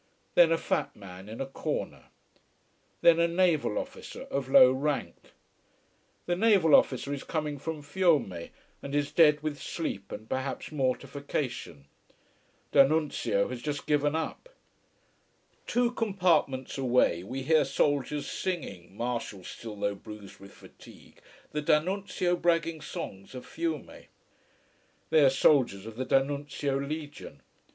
Then a fat man in a corner. Then a naval officer of low rank. The naval officer is coming from Fiume, and is dead with sleep and perhaps mortification. D'Annunzio has just given up. Two compartments away we hear soldiers singing, martial still though bruised with fatigue, the D'Annunzio bragging songs of Fiume. They are soldiers of the D'Annunzio legion.